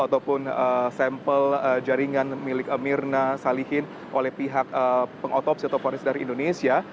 ataupun sampel jaringan milik mirna salihin oleh pihak pengotopsi atau ponis dari indonesia